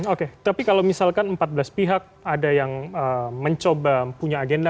oke tapi kalau misalkan empat belas pihak ada yang mencoba punya agenda